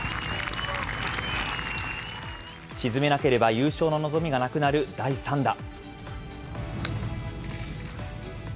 沈めなければ優勝の望みがなくなる第３打。